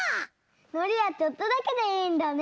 のりはちょっとだけでいいんだね！